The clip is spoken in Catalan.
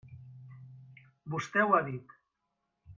Vostè ho ha dit.